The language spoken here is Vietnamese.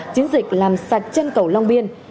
chiến dịch làm sạch chân cầu long biên